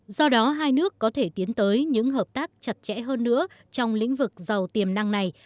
do đó hai nước có thể tiến tới những hợp tác chặt chẽ hơn nữa trong lĩnh vực giàu tiềm năng này